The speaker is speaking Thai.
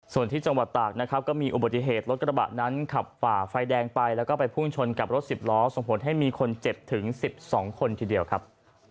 ส่วนที่จังหวัดตากนะครับก็มีอุบัติเหตุรถกระบะนั้นขับฝ่าไฟแดงไปแล้วก็ไปพุ่งชนกับรถสิบล้อส่งผลให้มีคนเจ็บถึง๑๒คนทีเดียวครับ